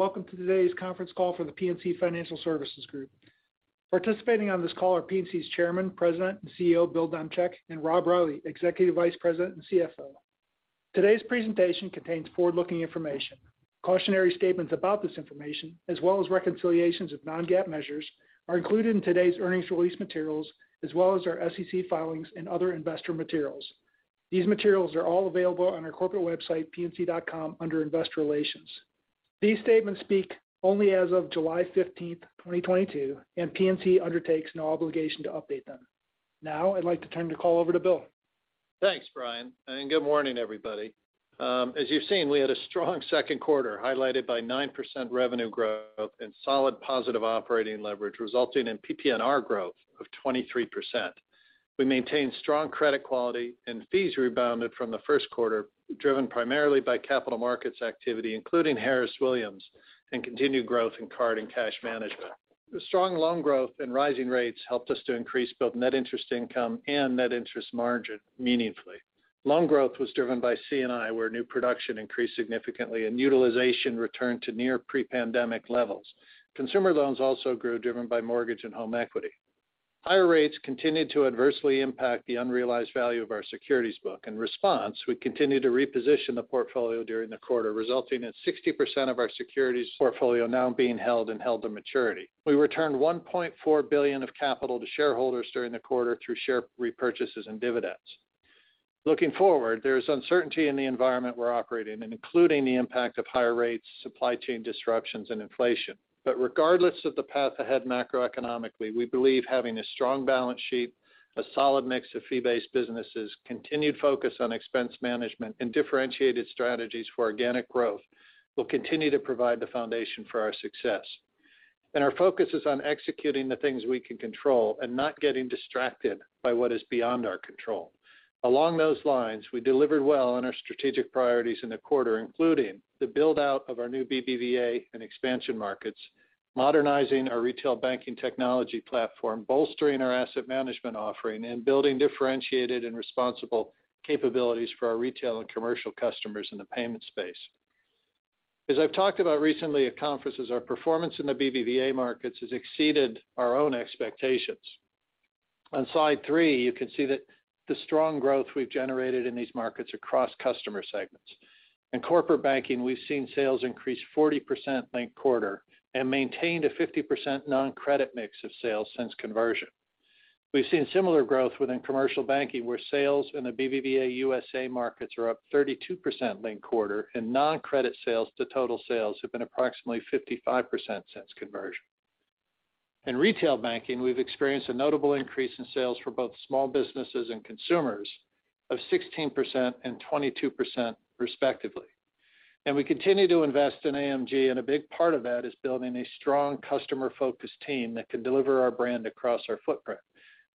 Good morning, and welcome to today's conference call for the PNC Financial Services Group. Participating on this call are PNC's Chairman, President, and CEO, Bill Demchak, and Rob Reilly, Executive Vice President and CFO. Today's presentation contains forward-looking information. Cautionary statements about this information, as well as reconciliations of non-GAAP measures, are included in today's earnings release materials, as well as our SEC filings and other investor materials. These materials are all available on our corporate website, pnc.com, under Investor Relations. These statements speak only as of 15 July 2022 and PNC undertakes no obligation to update them. Now, I'd like to turn the call over to Bill. Thanks, Bryan, and good morning, everybody. As you've seen, we had a strong Q2 highlighted by 9% revenue growth and solid positive operating leverage, resulting in PPNR growth of 23%. We maintained strong credit quality and fees rebounded from the Q1, driven primarily by capital markets activity, including Harris Williams and continued growth in card and cash management. The strong loan growth and rising rates helped us to increase both net interest income and net interest margin meaningfully. Loan growth was driven by C&I, where new production increased significantly and utilization returned to near pre-pandemic levels. Consumer loans also grew, driven by mortgage and home equity. Higher rates continued to adversely impact the unrealized value of our securities book. In response, we continued to reposition the portfolio during the quarter, resulting in 60% of our securities portfolio now being held and held to maturity. We returned $1.4 billion of capital to shareholders during the quarter through share repurchases and dividends. Looking forward, there is uncertainty in the environment we're operating, and including the impact of higher rates, supply chain disruptions, and inflation. Regardless of the path ahead macroeconomically, we believe having a strong balance sheet, a solid mix of fee-based businesses, continued focus on expense management, and differentiated strategies for organic growth will continue to provide the foundation for our success. Our focus is on executing the things we can control and not getting distracted by what is beyond our control. Along those lines, we delivered well on our strategic priorities in the quarter, including the build-out of our new BBVA and expansion markets, modernizing our retail banking technology platform, bolstering our asset management offering, and building differentiated and responsible capabilities for our retail and commercial customers in the payment space. As I've talked about recently at conferences, our performance in the BBVA markets has exceeded our own expectations. On slide three, you can see that the strong growth we've generated in these markets across customer segments. In corporate banking, we've seen sales increase 40% linked quarter and maintained a 50% non-credit mix of sales since conversion. We've seen similar growth within commercial banking, where sales in the BBVA U.S.A. markets are up 32% linked quarter and non-credit sales to total sales have been approximately 55% since conversion. In retail banking, we've experienced a notable increase in sales for both small businesses and consumers of 16% and 22% respectively. We continue to invest in AMG, and a big part of that is building a strong customer-focused team that can deliver our brand across our footprint.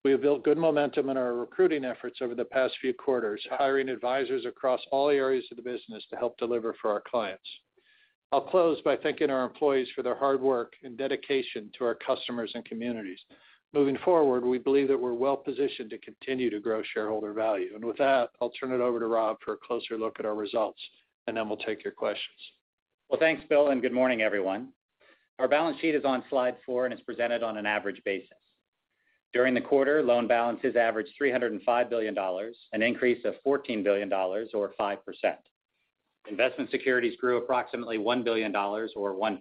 We have built good momentum in our recruiting efforts over the past few quarters, hiring advisors across all areas of the business to help deliver for our clients. I'll close by thanking our employees for their hard work and dedication to our customers and communities. Moving forward, we believe that we're well-positioned to continue to grow shareholder value. With that, I'll turn it over to Rob for a closer look at our results, and then we'll take your questions. Well, thanks, Bill, and good morning, everyone. Our balance sheet is on slide four and is presented on an average basis. During the quarter, loan balances averaged $305 billion, an increase of $14 billion or 5%. Investment securities grew approximately $1 billion or 1%.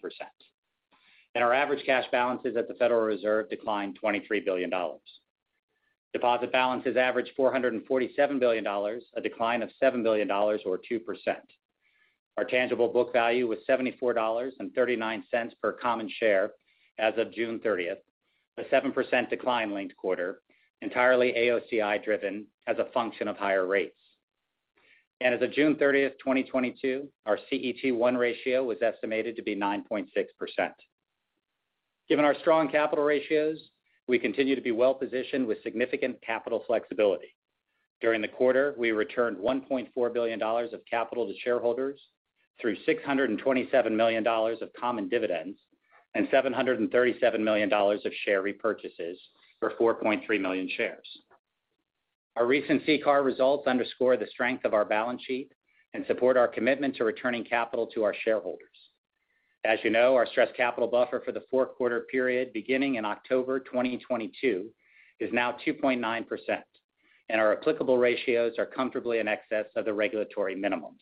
Our average cash balances at the Federal Reserve declined $23 billion. Deposit balances averaged $447 billion, a decline of $7 billion or 2%. Our tangible book value was $74.39 per common share as of 30 June 2022, a 7% decline linked quarter, entirely AOCI driven as a function of higher rates. As of 30 June 2022, our CET1 ratio was estimated to be 9.6%. Given our strong capital ratios, we continue to be well-positioned with significant capital flexibility. During the quarter, we returned $1.4 billion of capital to shareholders through $627 million of common dividends and $737 million of share repurchases for 4.3 million shares. Our recent CCAR results underscore the strength of our balance sheet and support our commitment to returning capital to our shareholders. As you know, our stress capital buffer for the Q4 period beginning in October 2022 is now 2.9%, and our applicable ratios are comfortably in excess of the regulatory minimums.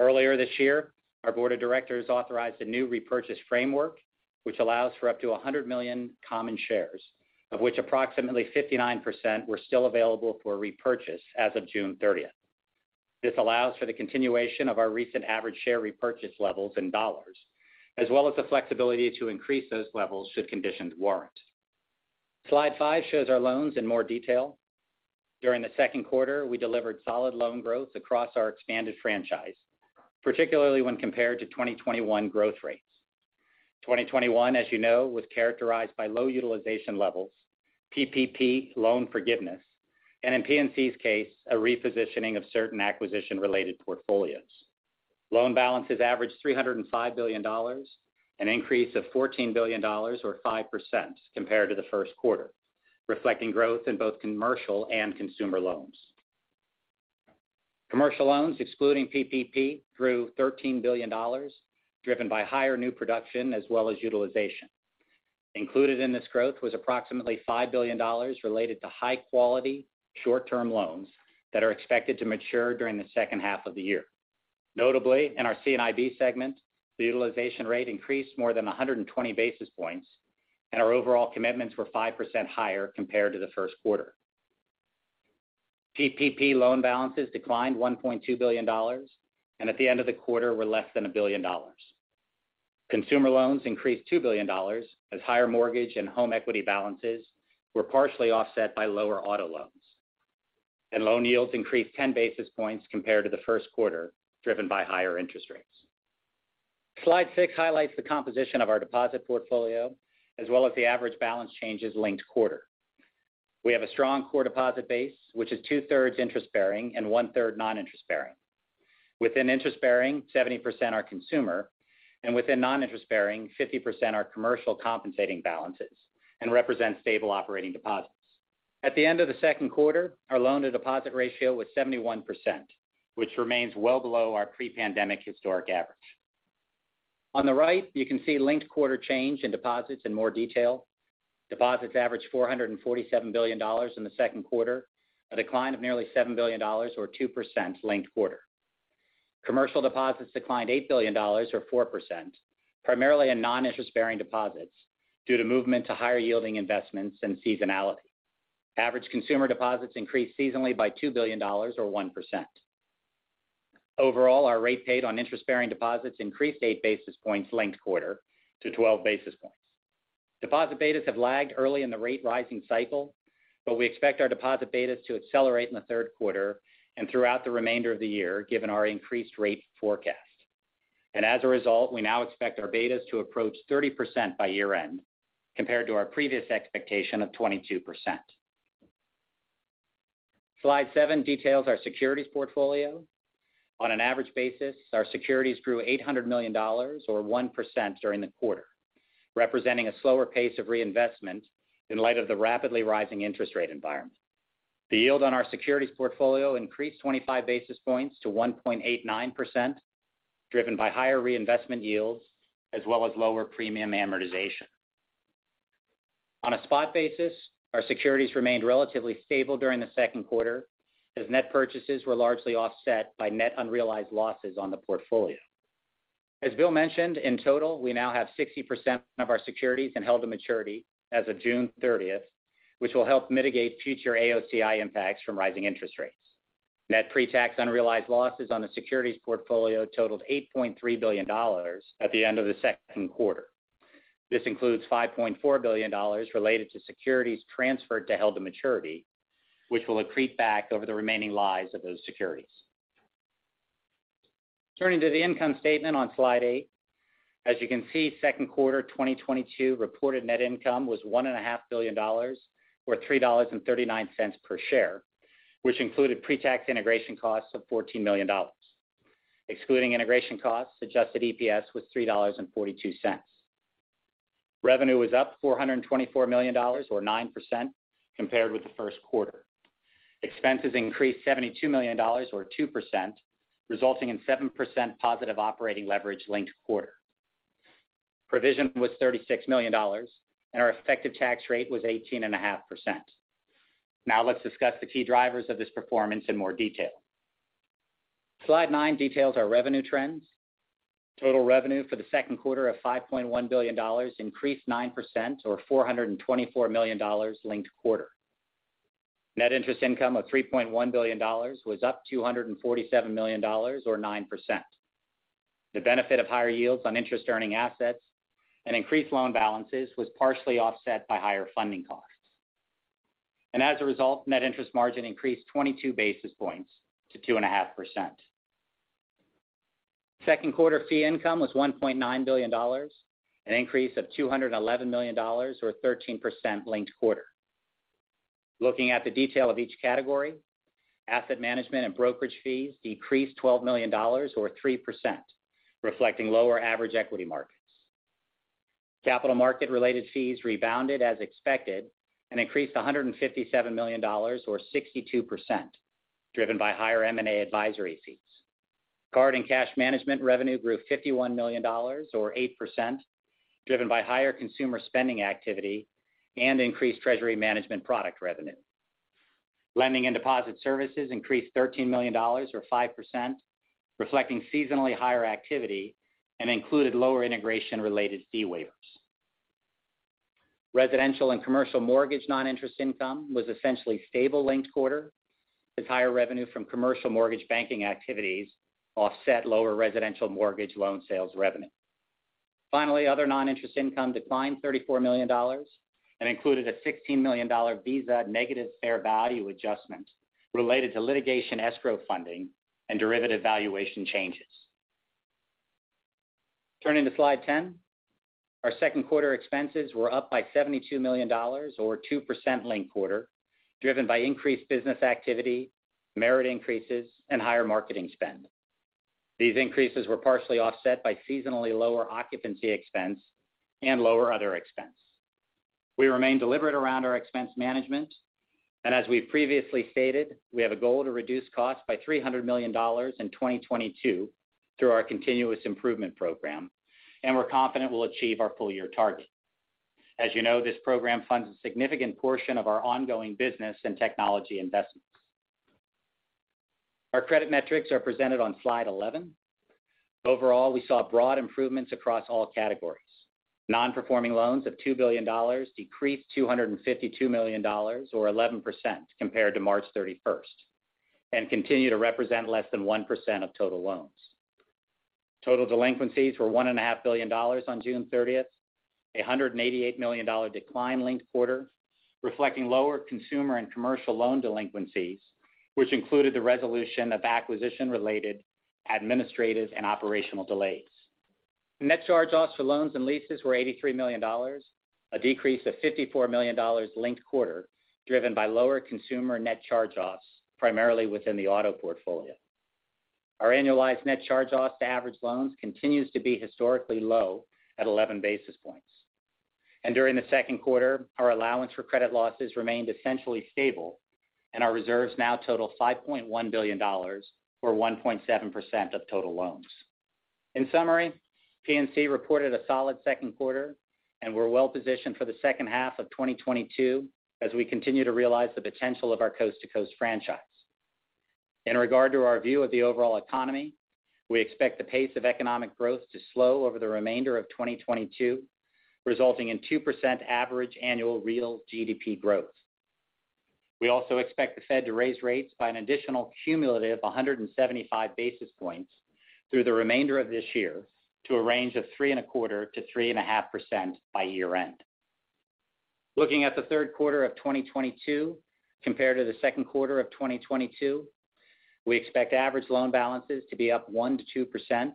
Earlier this year, our board of directors authorized a new repurchase framework, which allows for up to 100 million common shares, of which approximately 59% were still available for repurchase as of 30 June 2022. This allows for the continuation of our recent average share repurchase levels in dollars, as well as the flexibility to increase those levels should conditions warrant. Slide five shows our loans in more detail. During the Q2, we delivered solid loan growth across our expanded franchise, particularly when compared to 2021 growth rates. 2021, as you know, was characterized by low utilization levels, PPP loan forgiveness, and in PNC's case, a repositioning of certain acquisition-related portfolios. Loan balances averaged $305 billion, an increase of $14 billion or 5% compared to the Q1, reflecting growth in both commercial and consumer loans. Commercial loans excluding PPP grew $13 billion, driven by higher new production as well as utilization. Included in this growth was approximately $5 billion related to high quality short-term loans that are expected to mature during the second half of the year. Notably, in our C&IB segment, the utilization rate increased more than 120 basis points, and our overall commitments were 5% higher compared to the Q1. PPP loan balances declined $1.2 billion, and at the end of the quarter were less than $1 billion. Consumer loans increased $2 billion as higher mortgage and home equity balances were partially offset by lower auto loans. Loan yields increased 10 basis points compared to the Q1, driven by higher interest rates. Slide six highlights the composition of our deposit portfolio as well as the average balance changes linked quarter. We have a strong core deposit base, which is two-thirds interest-bearing and one-third non-interest-bearing. Within interest-bearing, 70% are consumer, and within non-interest-bearing, 50% are commercial compensating balances and represent stable operating deposits. At the end of the Q2, our loan to deposit ratio was 71%, which remains well below our pre-pandemic historic average. On the right, you can see linked quarter change in deposits in more detail. Deposits averaged $447 billion in the Q2, a decline of nearly $7 billion or 2% linked quarter. Commercial deposits declined $8 billion or 4%, primarily in non-interest-bearing deposits due to movement to higher yielding investments and seasonality. Average consumer deposits increased seasonally by $2 billion or 1%. Overall, our rate paid on interest-bearing deposits increased 8 basis points linked quarter to 12 basis points. Deposit betas have lagged early in the rate rising cycle, but we expect our deposit betas to accelerate in the Q3 and throughout the remainder of the year given our increased rate forecast. As a result, we now expect our betas to approach 30% by year-end compared to our previous expectation of 22%. Slide seven details our securities portfolio. On an average basis, our securities grew $800 million or 1% during the quarter, representing a slower pace of reinvestment in light of the rapidly rising interest rate environment. The yield on our securities portfolio increased 25 basis points to 1.89%, driven by higher reinvestment yields as well as lower premium amortization. On a spot basis, our securities remained relatively stable during the Q2 as net purchases were largely offset by net unrealized losses on the portfolio. As Bill mentioned, in total, we now have 60% of our securities in held to maturity as of 30 June 2022, which will help mitigate future AOCI impacts from rising interest rates. Net pre-tax unrealized losses on the securities portfolio totaled $8.3 billion at the end of the Q2. This includes $5.4 billion related to securities transferred to held to maturity, which will accrete back over the remaining lives of those securities. Turning to the income statement on slide eight. As you can see, Q2 2022 reported net income was $1.5 billion or $3.39 per share, which included pre-tax integration costs of $14 million. Excluding integration costs, adjusted EPS was $3.42. Revenue was up $424 million or 9% compared with the Q1. Expenses increased $72 million or 2%, resulting in 7% positive operating leverage linked quarter. Provision was $36 million, and our effective tax rate was 18.5%. Now let's discuss the key drivers of this performance in more detail. Slide nine details our revenue trends. Total revenue for the Q2 of $5.1 billion increased 9% or $424 million linked quarter. Net interest income of $3.1 billion was up $247 million or 9%. The benefit of higher yields on interest earning assets and increased loan balances was partially offset by higher funding costs. As a result, net interest margin increased 22 basis points to 2.5%. Q2 fee income was $1.9 billion, an increase of $211 million or 13% linked quarter. Looking at the detail of each category, asset management and brokerage fees decreased $12 million or 3%, reflecting lower average equity markets. Capital market related fees rebounded as expected and increased $157 million or 62%, driven by higher M&A advisory fees. Card and cash management revenue grew $51 million or 8%, driven by higher consumer spending activity and increased treasury management product revenue. Lending and deposit services increased $13 million or 5%, reflecting seasonally higher activity and included lower integration related fee waivers. Residential and commercial mortgage non-interest income was essentially stable linked quarter as higher revenue from commercial mortgage banking activities offset lower residential mortgage loan sales revenue. Finally, other non-interest income declined $34 million and included a $16 million Visa negative fair value adjustment related to litigation escrow funding and derivative valuation changes. Turning to slide 10. Our Q2 expenses were up by $72 million or 2% linked quarter, driven by increased business activity, merit increases, and higher marketing spend. These increases were partially offset by seasonally lower occupancy expense and lower other expense. We remain deliberate around our expense management. As we previously stated, we have a goal to reduce costs by $300 million in 2022 through our continuous improvement program, and we're confident we'll achieve our full year target. As you know, this program funds a significant portion of our ongoing business and technology investments. Our credit metrics are presented on slide 11. Overall, we saw broad improvements across all categories. Non-performing loans of $2 billion decreased $252 million or 11% compared to 31 March 2022, and continue to represent less than 1% of total loans. Total delinquencies were $1.5 billion on 30 June 2022, a $188 million decline linked quarter, reflecting lower consumer and commercial loan delinquencies, which included the resolution of acquisition related administrative and operational delays. Net charge-offs for loans and leases were $83 million, a decrease of $54 million linked quarter, driven by lower consumer net charge-offs, primarily within the auto portfolio. Our annualized net charge-offs to average loans continues to be historically low at 11 basis points. During the Q2, our allowance for credit losses remained essentially stable, and our reserves now total $5.1 billion, or 1.7% of total loans. In summary, PNC reported a solid Q2, and we're well-positioned for the second half of 2022 as we continue to realize the potential of our coast-to-coast franchise. In regard to our view of the overall economy, we expect the pace of economic growth to slow over the remainder of 2022, resulting in 2% average annual real GDP growth. We also expect the Fed to raise rates by an additional cumulative 175 basis points through the remainder of this year to a range of 3.25%-3.5% by year-end. Looking at the Q3 of 2022 compared to the Q2 of 2022, we expect average loan balances to be up 1%-2%.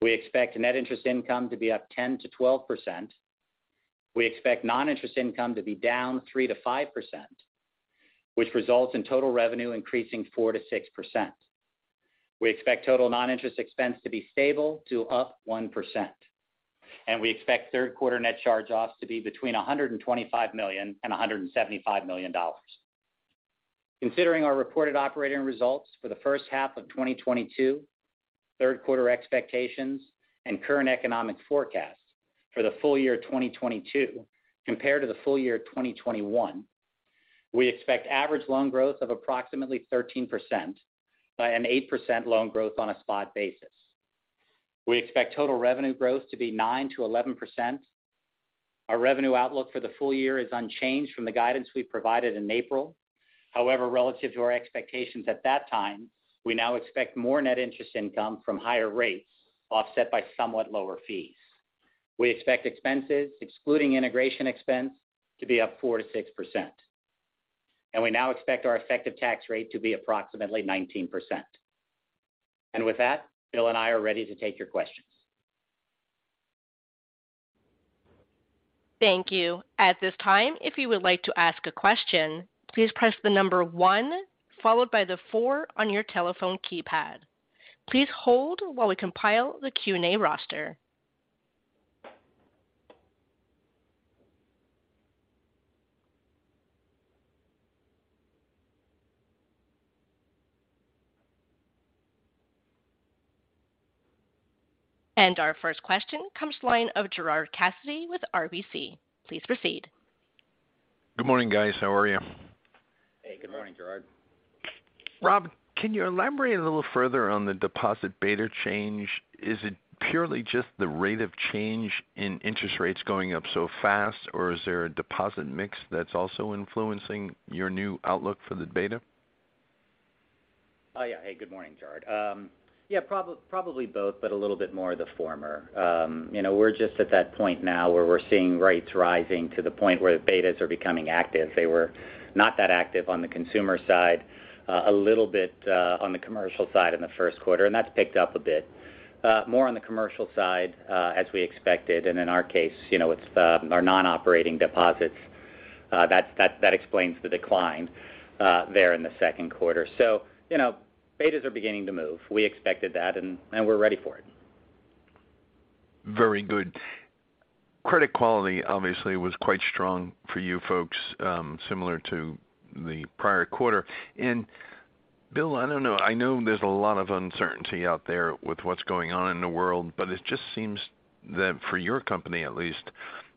We expect net interest income to be up 10%-12%. We expect non-interest income to be down 3%-5%, which results in total revenue increasing 4%-6%. We expect total non-interest expense to be stable to up 1%. We expect Q3 net charge-offs to be between $125 million and $175 million. Considering our reported operating results for the first half of 2022, Q3 expectations and current economic forecasts for the full year 2022 compared to the full year 2021, we expect average loan growth of approximately 13% and an 8% loan growth on a spot basis. We expect total revenue growth to be 9%-11%. Our revenue outlook for the full year is unchanged from the guidance we provided in April. However, relative to our expectations at that time, we now expect more net interest income from higher rates offset by somewhat lower fees. We expect expenses, excluding integration expense, to be up 4%-6%. We now expect our effective tax rate to be approximately 19%. With that, Bill and I are ready to take your questions. Thank you. At this time, if you would like to ask a question, please press one followed by four on your telephone keypad. Please hold while we compile the Q&A roster. Our first question comes from the line of Gerard Cassidy with RBC. Please proceed. Good morning, guys. How are you? Hey, good morning, Gerard. Rob, can you elaborate a little further on the deposit beta change? Is it purely just the rate of change in interest rates going up so fast, or is there a deposit mix that's also influencing your new outlook for the beta? Oh, yeah. Hey, good morning, Gerard. Yeah, probably both, but a little bit more of the former. You know, we're just at that point now where we're seeing rates rising to the point where the betas are becoming active. They were not that active on the consumer side, a little bit, on the commercial side in the Q1 and that's picked up a bit. More on the commercial side, as we expected. In our case, you know, it's our non-operating deposits that explains the decline there in the Q2. You know, betas are beginning to move. We expected that, and we're ready for it. Very good. Credit quality obviously was quite strong for you folks, similar to the prior quarter. Bill, I don't know. I know there's a lot of uncertainty out there with what's going on in the world, but it just seems that for your company, at least,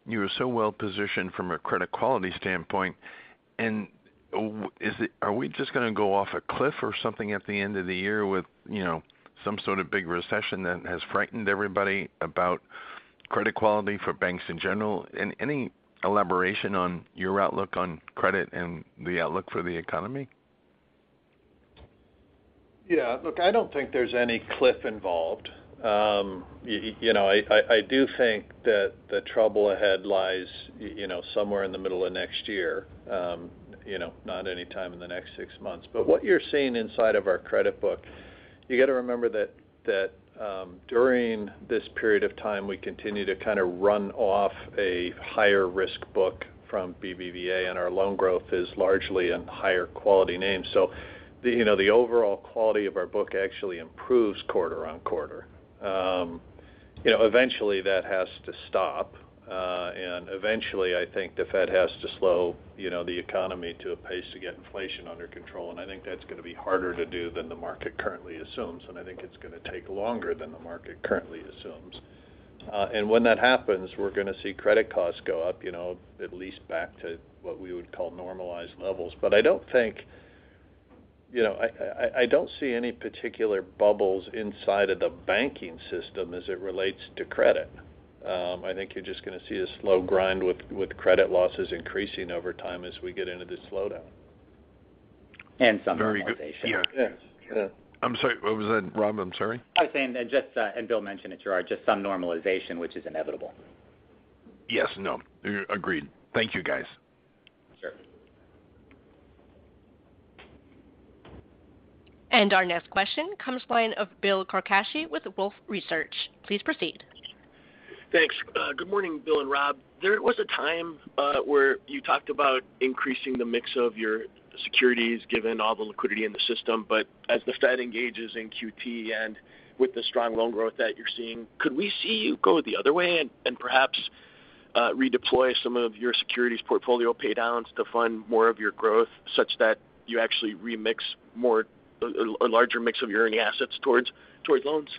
you are so well-positioned from a credit quality standpoint. Are we just gonna go off a cliff or something at the end of the year with, you know, some sort of big recession that has frightened everybody about credit quality for banks in general? Any elaboration on your outlook on credit and the outlook for the economy? Yeah. Look, I don't think there's any cliff involved. You know, I do think that the trouble ahead lies, you know, somewhere in the middle of next year, you know, not any time in the next six months. What you're seeing inside of our credit book, you got to remember that during this period of time, we continue to kind of run off a higher risk book from BBVA, and our loan growth is largely in higher quality names. You know, the overall quality of our book actually improves quarter on quarter. You know, eventually that has to stop. Eventually, I think the Fed has to slow, you know, the economy to a pace to get inflation under control. I think that's gonna be harder to do than the market currently assumes. I think it's gonna take longer than the market currently assumes. When that happens, we're gonna see credit costs go up, you know, at least back to what we would call normalized levels. I don't think, you know, I don't see any particular bubbles inside of the banking system as it relates to credit. I think you're just gonna see a slow grind with credit losses increasing over time as we get into this slowdown. Some normalization. Very good. Yeah. Yes. I'm sorry, what was that, Rob? I'm sorry. I was saying that just, and Bill Demchak mentioned it, just some normalization, which is inevitable. Yes. No, agreed. Thank you, guys. Sure. Our next question comes line of Bill Carcache with Wolfe Research. Please proceed. Thanks. Good morning, Bill and Rob. There was a time where you talked about increasing the mix of your securities given all the liquidity in the system. But as the Fed engages in QT and with the strong loan growth that you're seeing, could we see you go the other way and perhaps redeploy some of your securities portfolio paydowns to fund more of your growth such that you actually remix a larger mix of your earning assets towards loans?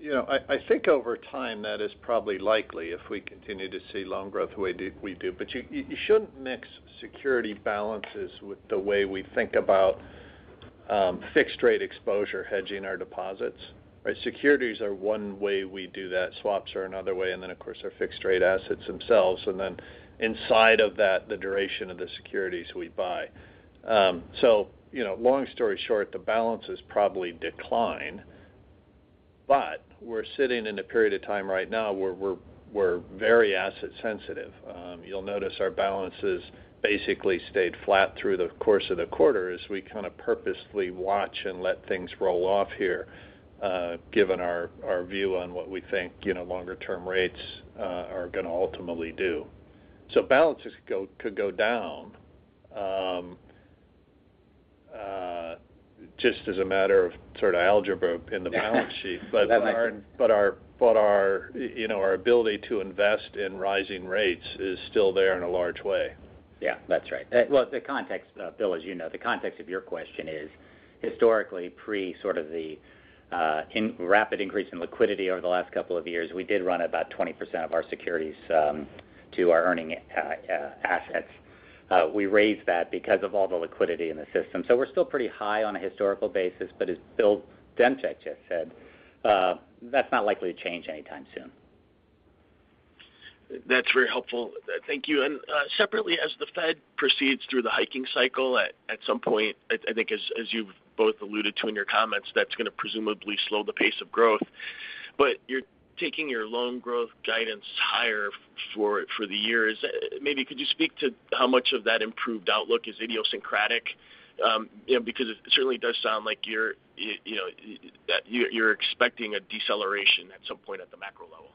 You know, I think over time, that is probably likely if we continue to see loan growth the way we do. You shouldn't mix securities balances with the way we think about fixed rate exposure hedging our deposits, right? Securities are one way we do that. Swaps are another way, and then of course our fixed rate assets themselves. Then inside of that, the duration of the securities we buy. You know, long story short, the balances probably decline, but we're sitting in a period of time right now where we're very asset sensitive. You'll notice our balances basically stayed flat through the course of the quarter as we kind of purposely watch and let things roll off here, given our view on what we think, you know, longer-term rates are gonna ultimately do. Balances could go down, just as a matter of sort of algebra in the balance sheet. But our, you know, our ability to invest in rising rates is still there in a large way. Yeah, that's right. Well, the context, Bill, as you know, of your question is historically prior to sort of the rapid increase in liquidity over the last couple of years, we did run about 20% of our securities to our earning assets. We raised that because of all the liquidity in the system. We're still pretty high on a historical basis, but as Bill Demchak just said, that's not likely to change anytime soon. That's very helpful. Thank you. Separately, as the Fed proceeds through the hiking cycle at some point, I think as you've both alluded to in your comments, that's gonna presumably slow the pace of growth. But you're taking your loan growth guidance higher for the year. Maybe could you speak to how much of that improved outlook is idiosyncratic? You know, because it certainly does sound like you're expecting a deceleration at some point at the macro level.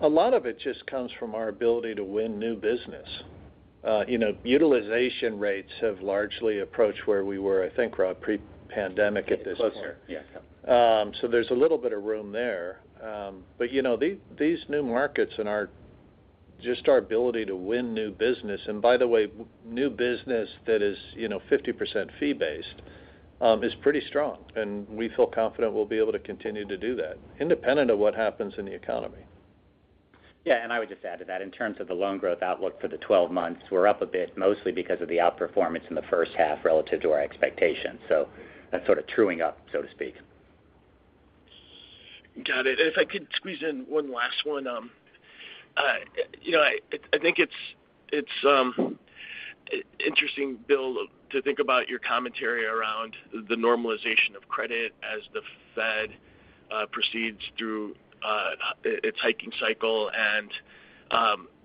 A lot of it just comes from our ability to win new business. You know, utilization rates have largely approached where we were, I think, Rob, pre-pandemic at this point. Closer. Yeah. There's a little bit of room there. You know, these new markets and just our ability to win new business, and by the way, new business that is, you know, 50% fee based, is pretty strong. We feel confident we'll be able to continue to do that independent of what happens in the economy. Yeah. I would just add to that in terms of the loan growth outlook for the 12 months, we're up a bit mostly because of the outperformance in the first half relative to our expectations. That's sort of truing up, so to speak. Got it. If I could squeeze in one last one. You know, I think it's interesting, Bill, to think about your commentary around the normalization of credit as the Fed proceeds through its hiking cycle.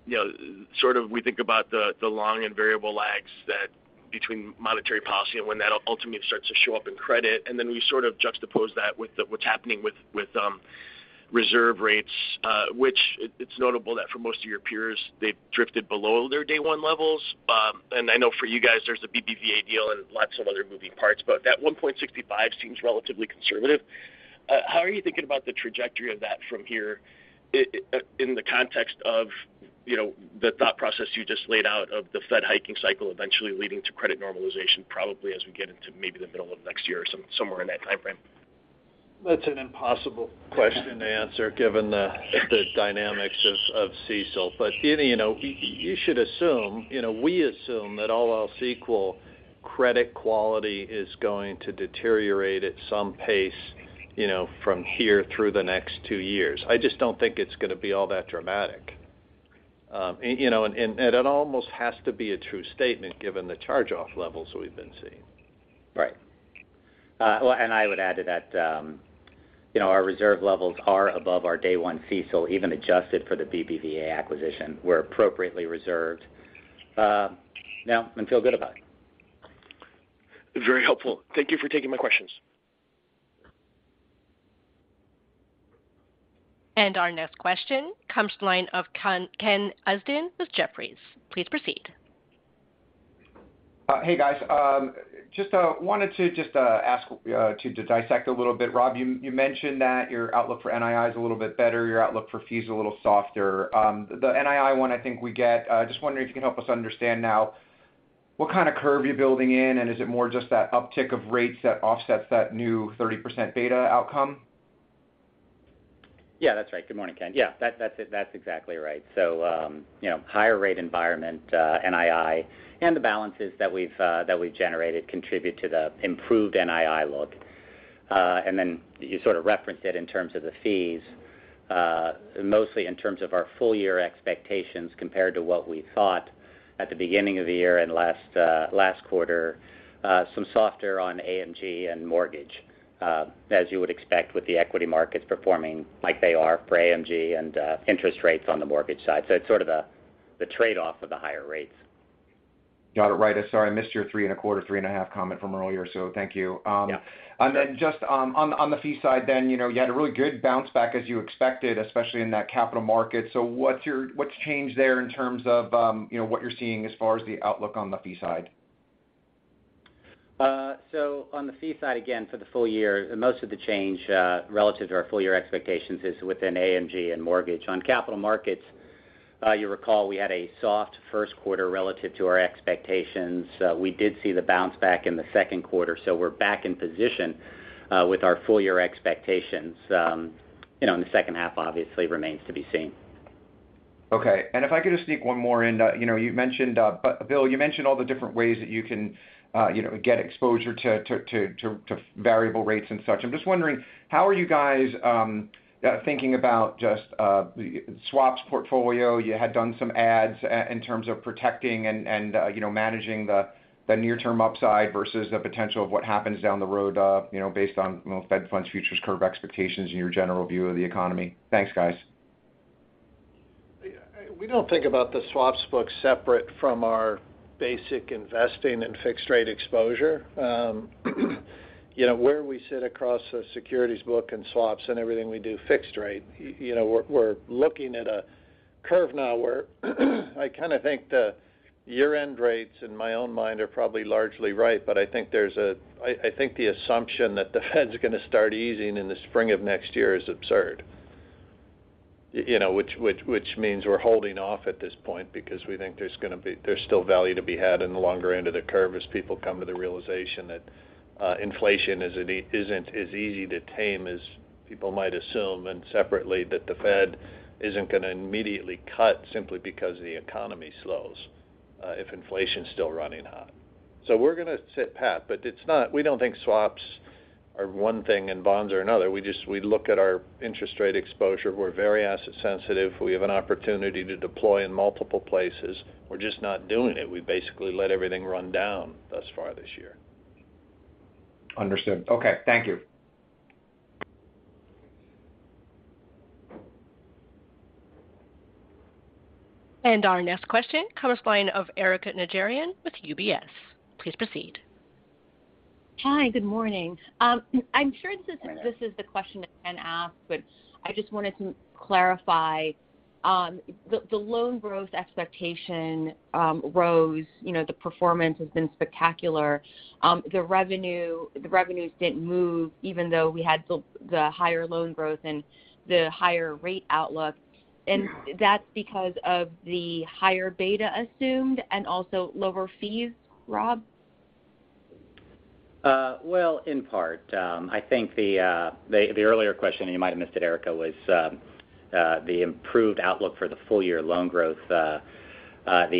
You know, sort of we think about the long and variable lags that between monetary policy and when that ultimately starts to show up in credit. We sort of juxtapose that with what's happening with reserve rates, which it's notable that for most of your peers, they've drifted below their day one levels. I know for you guys there's the BBVA deal and lots of other moving parts, but that 1.65 seems relatively conservative. How are you thinking about the trajectory of that from here in the context of, you know, the thought process you just laid out of the Fed hiking cycle eventually leading to credit normalization probably as we get into maybe the middle of next year or somewhere in that timeframe? That's an impossible question to answer given the dynamics of CECL. You know, you should assume, you know, we assume that all else equal, credit quality is going to deteriorate at some pace, you know, from here through the next two years. I just don't think it's gonna be all that dramatic. You know, that almost has to be a true statement given the charge-off levels we've been seeing. Right. Well, I would add to that, you know, our reserve levels are above our day one CECL, even adjusted for the BBVA acquisition. We're appropriately reserved, now and feel good about it. Very helpful. Thank you for taking my questions. Our next question comes to the line of Ken Usdin with Jefferies. Please proceed. Hey, guys. Just wanted to just ask to dissect a little bit. Rob, you mentioned that your outlook for NII is a little bit better, your outlook for fee is a little softer. The NII one I think we get. Just wondering if you can help us understand now what kind of curve you're building in, and is it more just that uptick of rates that offsets that new 30% beta outcome? Yeah, that's right. Good morning, Ken. Yeah, that's exactly right. You know, higher rate environment, NII and the balances that we've generated contribute to the improved NII look. And then you sort of referenced it in terms of the fees, mostly in terms of our full year expectations compared to what we thought at the beginning of the year and last quarter, some softer on AMG and mortgage, as you would expect with the equity markets performing like they are for AMG and interest rates on the mortgage side. It's sort of the trade-off of the higher rates. Got it. Right. I'm sorry, I missed your 3.25%, 3.5% comment from earlier. Thank you. Yeah. Just on the fee side then, you know, you had a really good bounce back as you expected, especially in that capital market. What's changed there in terms of you know, what you're seeing as far as the outlook on the fee side? On the fee side, again, for the full year, most of the change relative to our full year expectations is within AMG and mortgage. On capital markets, you recall we had a soft Q1 relative to our expectations. We did see the bounce back in the Q2, so we're back in position with our full year expectations. You know, in the second half obviously remains to be seen. Okay. If I could just sneak one more in. You know, you mentioned, Bill, you mentioned all the different ways that you can, you know, get exposure to variable rates and such. I'm just wondering, how are you guys thinking about just the swaps portfolio? You had done some hedges in terms of protecting and, you know, managing the near term upside versus the potential of what happens down the road, you know, based on Fed funds futures curve expectations and your general view of the economy. Thanks, guys. We don't think about the swaps book separate from our basic investing and fixed rate exposure. You know, where we sit across a securities book and swaps and everything we do fixed rate, you know, we're looking at a curve now where I kind of think the year-end rates in my own mind are probably largely right. I think the assumption that the Fed's going to start easing in the spring of next year is absurd. You know, which means we're holding off at this point because we think there's still value to be had in the longer end of the curve as people come to the realization that inflation isn't as easy to tame as people might assume. Separately, that the Fed isn't going to immediately cut simply because the economy slows, if inflation's still running hot. We're going to sit pat, but it's not. We don't think swaps are one thing and bonds are another. We just look at our interest rate exposure. We're very asset sensitive. We have an opportunity to deploy in multiple places. We're just not doing it. We basically let everything run down thus far this year. Understood. Okay. Thank you. Our next question comes to the line of Erika Najarian with UBS. Please proceed. Hi. Good morning. I'm sure this is the question that Ken asked, but I just wanted to clarify. The loan growth expectation rose. You know, the performance has been spectacular. The revenues didn't move even though we had the higher loan growth and the higher rate outlook. That's because of the higher beta assumed and also lower fees, Rob? Well, in part. I think the earlier question, and you might have missed it, Erika, was the improved outlook for the full-year loan growth. The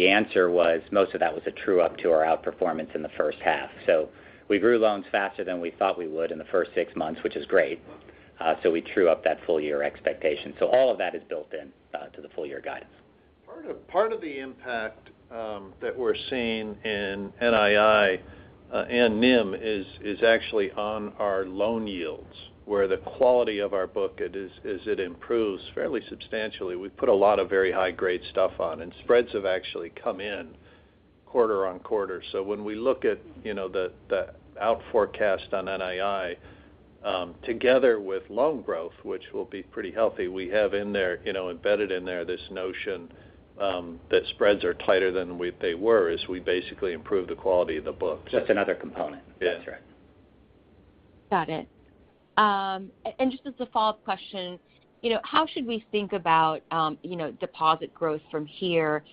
answer was most of that was a true up to our outperformance in the first half. We grew loans faster than we thought we would in the first six months, which is great. We true up that full year expectation. All of that is built in to the full year guidance. Part of the impact that we're seeing in NII and NIM is actually on our loan yields, where the quality of our book as it improves fairly substantially, we put a lot of very high-grade stuff on, and spreads have actually come in quarter-over-quarter. When we look at, you know, the outlook forecast on NII together with loan growth, which will be pretty healthy, we have in there, you know, embedded in there this notion that spreads are tighter than what they were as we basically improve the quality of the books. Just another component. Yeah. That's right. Got it. And just as a follow-up question, you know, how should we think about, you know, deposit growth from here?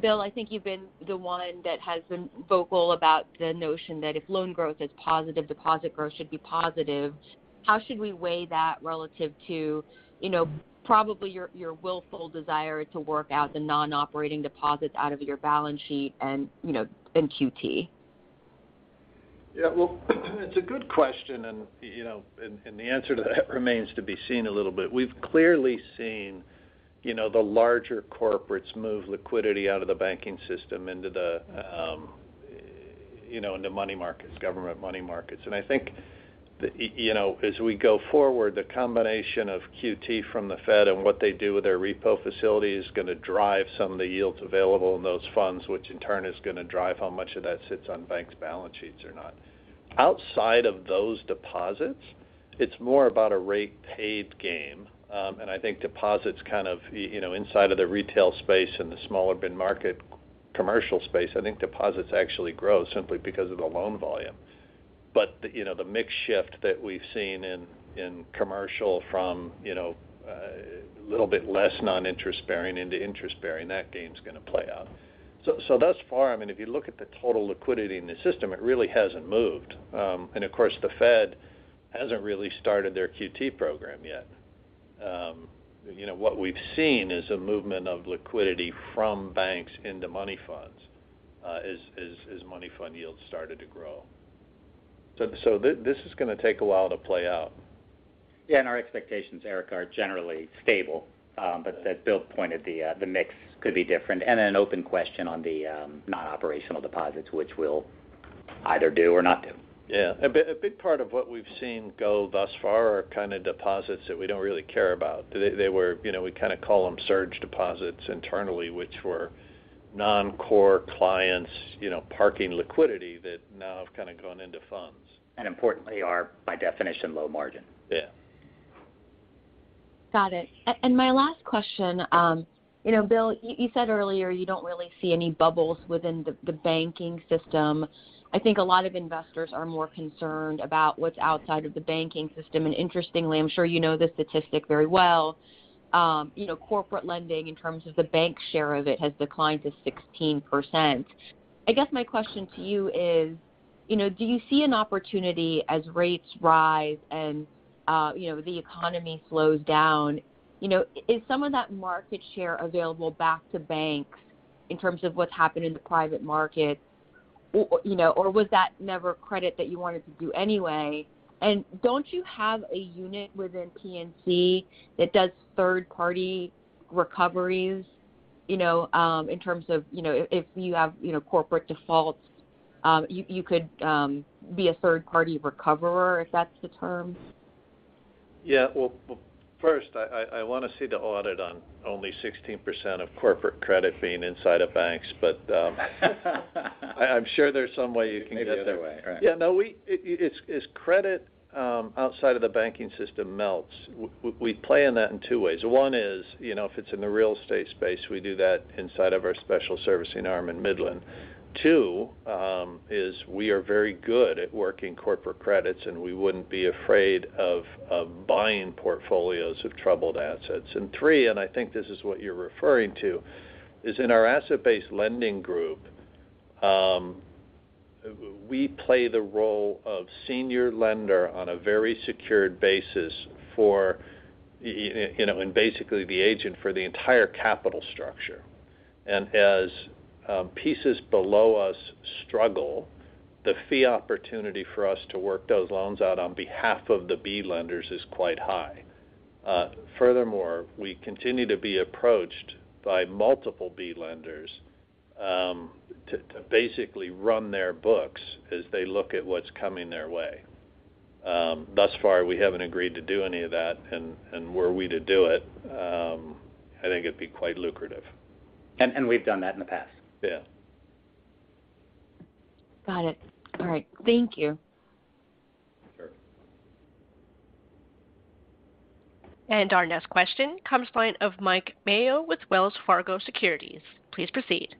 Bill, I think you've been the one that has been vocal about the notion that if loan growth is positive, deposit growth should be positive. How should we weigh that relative to, you know, probably your willful desire to work out the non-operating deposits out of your balance sheet and, you know, in QT? Yeah, well, it's a good question. You know, the answer to that remains to be seen a little bit. We've clearly seen. You know, the larger corporates move liquidity out of the banking system into the, you know, into money markets, government money markets. I think, you know, as we go forward, the combination of QT from the Fed and what they do with their repo facility is going to drive some of the yields available in those funds, which in turn is going to drive how much of that sits on banks' balance sheets or not. Outside of those deposits, it's more about a rate paid game. I think deposits kind of, you know, inside of the retail space and the smaller mid-market commercial space, I think deposits actually grow simply because of the loan volume. You know, the mix shift that we've seen in commercial from, you know, a little bit less non-interest bearing into interest bearing, that's going to play out. Thus far, I mean, if you look at the total liquidity in the system, it really hasn't moved. And of course, the Fed hasn't really started their QT program yet. You know, what we've seen is a movement of liquidity from banks into money funds, as money fund yields started to grow. This is going to take a while to play out. Yeah. Our expectations, Erika, are generally stable. As Bill pointed, the mix could be different. An open question on the non-operational deposits, which we'll either do or not do. Yeah. A big part of what we've seen go thus far are kind of deposits that we don't really care about. They were, you know, we kind of call them surge deposits internally, which were non-core clients, you know, parking liquidity that now have kind of gone into funds. Importantly are, by definition, low margin. Yeah. Got it. My last question, you know, Bill, you said earlier you don't really see any bubbles within the banking system. I think a lot of investors are more concerned about what's outside of the banking system. Interestingly, I'm sure you know this statistic very well, you know, corporate lending in terms of the bank share of it has declined to 16%. I guess my question to you is, you know, do you see an opportunity as rates rise and, you know, the economy slows down, you know, is some of that market share available back to banks in terms of what's happened in the private market? Or, you know, or was that never credit that you wanted to do anyway? Don't you have a unit within PNC that does third party recoveries, you know, in terms of, you know, if you have, you know, corporate defaults, you could be a third party recoverer, if that's the term? Yeah. Well first, I want to see the audit on only 16% of corporate credit being inside of banks. I'm sure there's some way you can get there. Maybe the other way, right? It's as credit outside of the banking system melts, we play in that in two ways. One is, you know, if it's in the real estate space, we do that inside of our special servicing arm in Midland. Two, is we are very good at working corporate credits, and we wouldn't be afraid of buying portfolios of troubled assets. Three, I think this is what you're referring to, is in our asset-based lending group, we play the role of senior lender on a very secured basis for, you know, and basically the agent for the entire capital structure. As pieces below us struggle, the fee opportunity for us to work those loans out on behalf of the B lenders is quite high. Furthermore, we continue to be approached by multiple B lenders to basically run their books as they look at what's coming their way. Thus far, we haven't agreed to do any of that. Were we to do it, I think it'd be quite lucrative. We've done that in the past. Yeah. Got it. All right. Thank you. Sure. Our next question comes from Mike Mayo with Wells Fargo Securities. Please proceed.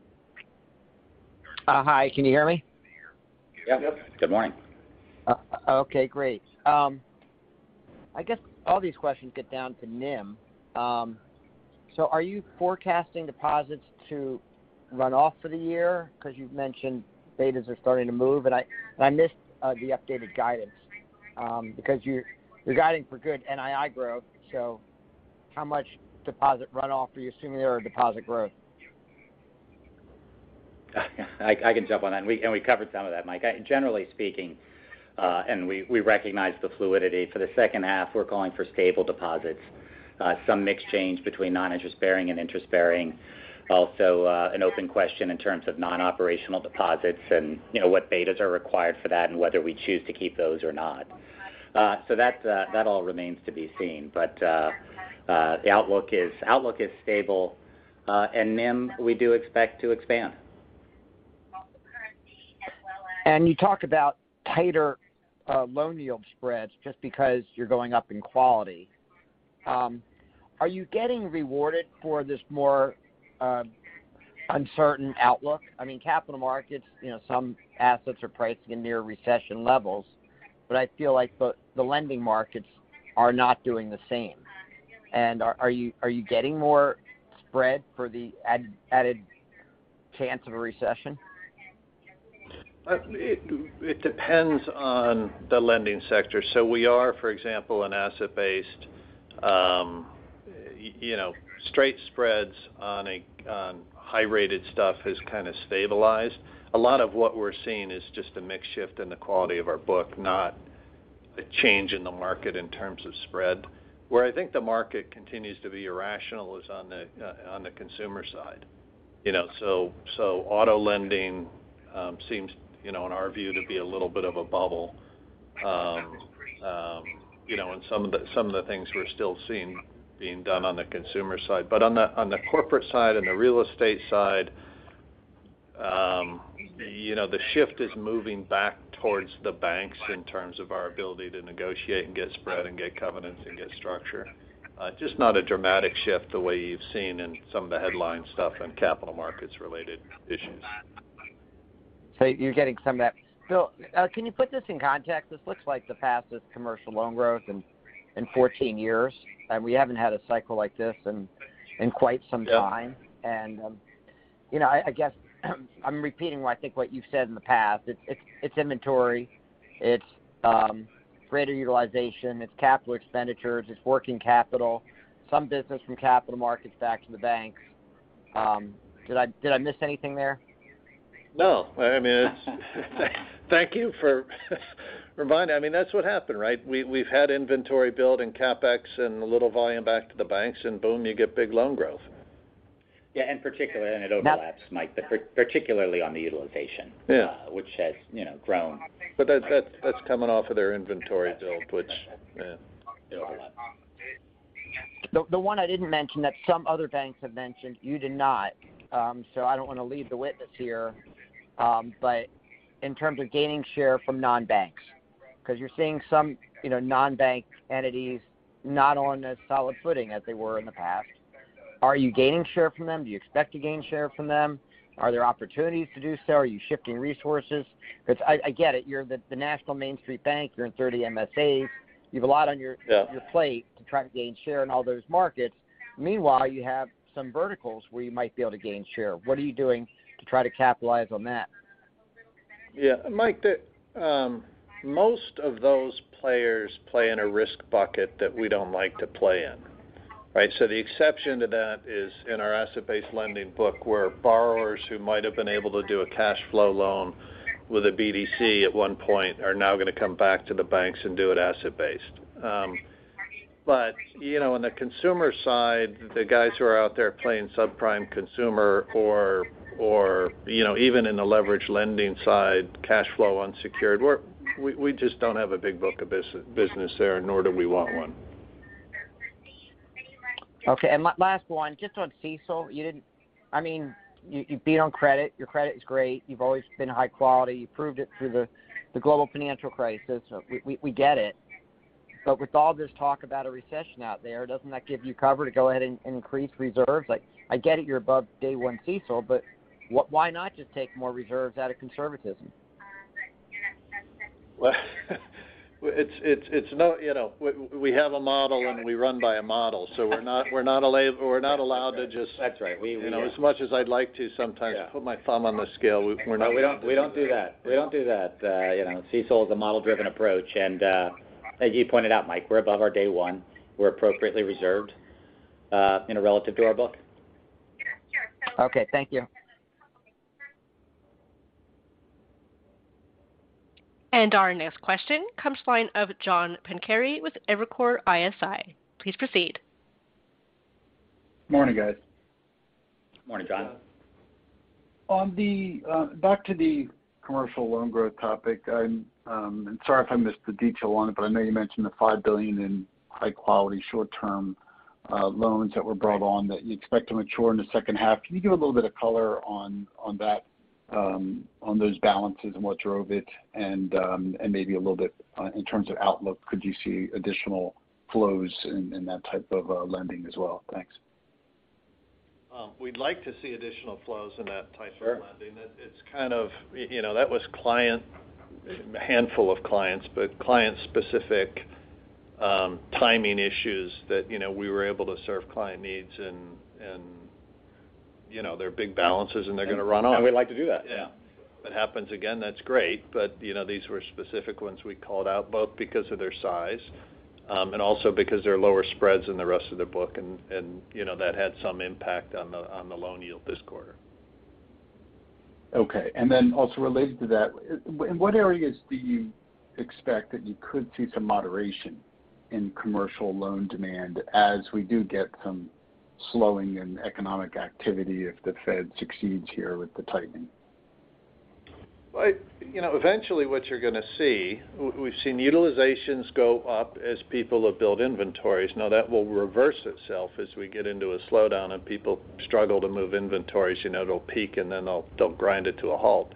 Hi, can you hear me? Yep. Good morning. Okay, great. I guess all these questions get down to NIM. Are you forecasting deposits to run off for the year? Because you've mentioned betas are starting to move, and I missed the updated guidance, because you're guiding for good NII growth. How much deposit runoff are you assuming there or deposit growth? I can jump on that. We covered some of that, Mike. Generally speaking, we recognize the fluidity. For the second half, we're calling for stable deposits. Some mix change between non-interest bearing and interest bearing. Also, an open question in terms of non-operational deposits and, you know, what betas are required for that and whether we choose to keep those or not. That all remains to be seen. The outlook is stable. NIM, we do expect to expand. You talk about tighter loan yield spreads just because you're going up in quality. Are you getting rewarded for this more uncertain outlook? I mean, capital markets, you know, some assets are priced near recession levels, but I feel like the lending markets are not doing the same. Are you getting more spread for the added chance of a recession? It depends on the lending sector. We are, for example, asset based, you know, straight spreads on high rated stuff has kind of stabilized. A lot of what we're seeing is just a mix shift in the quality of our book, not a change in the market in terms of spread. Where I think the market continues to be irrational is on the consumer side, you know. Auto lending seems, you know, in our view to be a little bit of a bubble. And some of the things we're still seeing being done on the consumer side. On the corporate side and the real estate side, you know, the shift is moving back towards the banks in terms of our ability to negotiate and get spread and get covenants and get structure. Just not a dramatic shift the way you've seen in some of the headline stuff in capital markets related issues. You're getting some of that. Bill, can you put this in context? This looks like the fastest commercial loan growth in 14 years, and we haven't had a cycle like this in quite some time. Yeah. You know, I guess I'm repeating what I think what you've said in the past. It's inventory. It's greater utilization. It's capital expenditures. It's working capital. Some business from capital markets back to the banks. Did I miss anything there? No. I mean, it's thank you for reminding. I mean, that's what happened, right? We've had inventory build and CapEx and a little volume back to the banks, and boom, you get big loan growth. Yeah. Particularly on the utilization- Yeah which has, you know, grown. That's coming off of their inventory build, which, yeah, they overlap. The one I didn't mention that some other banks have mentioned, so I don't want to lead the witness here. But in terms of gaining share from non-banks, because you're seeing some, you know, non-bank entities not on as solid footing as they were in the past. Are you gaining share from them? Do you expect to gain share from them? Are there opportunities to do so? Are you shifting resources? Because I get it. You're the national Main Street bank. You're in 30 MSAs. Yeah You have a lot on your plate to try to gain share in all those markets. Meanwhile, you have some verticals where you might be able to gain share. What are you doing to try to capitalize on that? Yeah. Mike, the most of those players play in a risk bucket that we don't like to play in, right? The exception to that is in our asset-based lending book, where borrowers who might have been able to do a cash flow loan with a BDC at one point are now gonna come back to the banks and do it asset based. You know, on the consumer side, the guys who are out there playing subprime consumer or, you know, even in the leverage lending side, cash flow unsecured, we just don't have a big book of business there, nor do we want one. Okay. Last one, just on CECL. You didn't... I mean, you beat on credit. Your credit is great. You've always been high quality. You proved it through the global financial crisis. We get it. But with all this talk about a recession out there, doesn't that give you cover to go ahead and increase reserves? Like, I get it, you're above day one CECL, but why not just take more reserves out of conservatism? Well, it's you know, we have a model, and we run by a model. That's right. You know, as much as I'd like to sometimes. Yeah We're not allowed to just put my thumb on the scale, we're not No, we don't do that. We don't do that. You know, CECL is a model-driven approach. As you pointed out, Mike, we're above our day one. We're appropriately reserved in a relatively durable. Okay. Thank you. Our next question comes from the line of John Pancari with Evercore ISI. Please proceed. Morning, guys. Morning, John. On the back to the commercial loan growth topic. Sorry if I missed the detail on it, but I know you mentioned the $5 billion in high quality short-term loans that were brought on that you expect to mature in the second half. Can you give a little bit of color on that, on those balances and what drove it? Maybe a little bit in terms of outlook, could you see additional flows in that type of lending as well? Thanks. We'd like to see additional flows in that type of lending. Sure. It's kind of you know that was a handful of clients but client-specific timing issues that you know we were able to serve client needs and you know their big balances and they're gonna run off. We'd like to do that. Yeah. If it happens again, that's great. But, you know, these were specific ones we called out both because of their size, and also because they're lower spreads than the rest of the book. You know, that had some impact on the loan yield this quarter. Okay. Also related to that. In what areas do you expect that you could see some moderation in commercial loan demand as we do get some slowing in economic activity if the Fed succeeds here with the tightening? Well, you know, eventually what you're gonna see, we've seen utilizations go up as people have built inventories. Now that will reverse itself as we get into a slowdown and people struggle to move inventories. You know, it'll peak, and then they'll grind it to a halt.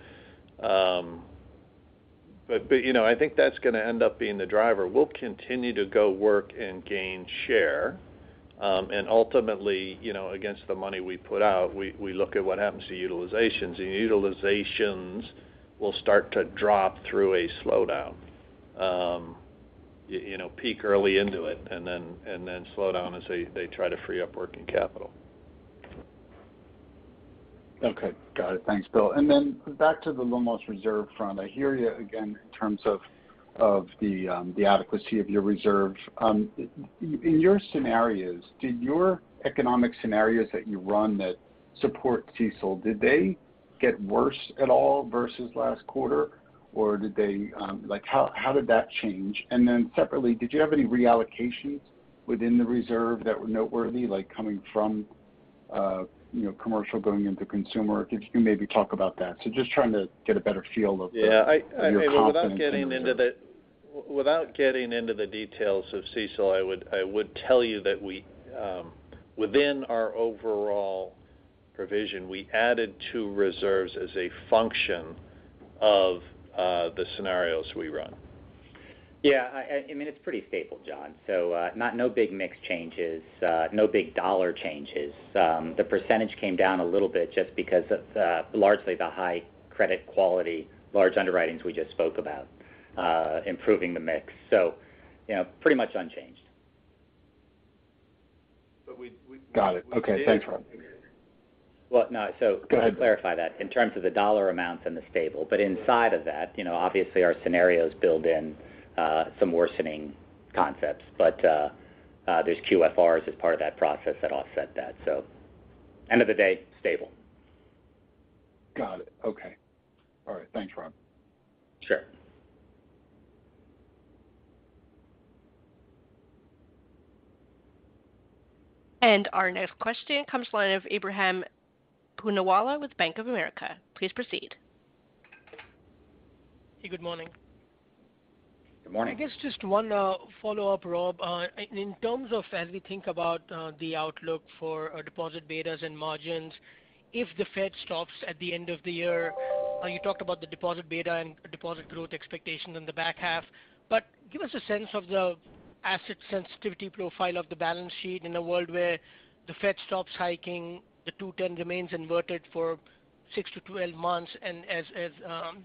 You know, I think that's gonna end up being the driver. We'll continue to go work and gain share. Ultimately, you know, against the money we put out, we look at what happens to utilizations. Utilizations will start to drop through a slowdown. You know, peak early into it and then slow down as they try to free up working capital. Okay. Got it. Thanks, Bill. Then back to the loan loss reserve front. I hear you again in terms of the adequacy of your reserves. In your scenarios, did your economic scenarios that you run that support CECL, did they get worse at all versus last quarter, or did they like how did that change? Then separately, did you have any reallocations within the reserve that were noteworthy, like coming from you know commercial going into consumer. Could you maybe talk about that? Just trying to get a better feel of the- Yeah. Your confidence in the reserve. Without getting into the details of CECL, I would tell you that we, within our overall provision, we added two reserves as a function of the scenarios we run. I mean, it's pretty stable, John. No big mix changes, no big dollar changes. The percentage came down a little bit just because of largely the high credit quality, large underwritings we just spoke about, improving the mix. You know, pretty much unchanged. But we-we- Got it. Okay. Thanks, Rob. Well, no. Go ahead. To clarify that. In terms of the dollar amounts and the stable, but inside of that, you know, obviously our scenarios build in some worsening concepts. There's QFRs as part of that process that offset that. End of the day, stable. Got it. Okay. All right. Thanks, Rob. Sure. Our next question comes from the line of Ebrahim Poonawala with Bank of America. Please proceed. Hey, good morning. Good morning. I guess just one follow-up, Rob. In terms of as we think about the outlook for our deposit betas and margins, if the Fed stops at the end of the year, you talked about the deposit beta and deposit growth expectation in the back half, but give us a sense of the asset sensitivity profile of the balance sheet in a world where the Fed stops hiking, the 2 months-10 months remains inverted for 6 months-12 months. As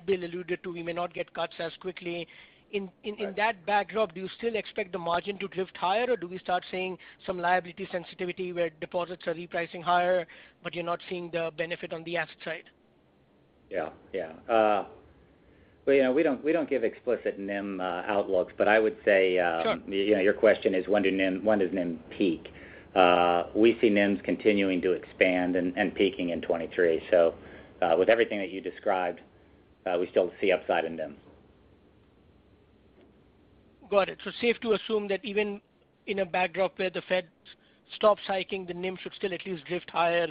Bill alluded to, we may not get cuts as quickly. In that backdrop, do you still expect the margin to drift higher, or do we start seeing some liability sensitivity where deposits are repricing higher, but you're not seeing the benefit on the asset side? Yeah. Well, you know, we don't give explicit NIM outlooks. I would say. Sure You know, your question is when does NIM peak? We see NIMs continuing to expand and peaking in 2023. With everything that you described, we still see upside in NIMs. Got it. Safe to assume that even in a backdrop where the Fed stops hiking, the NIM should still at least drift higher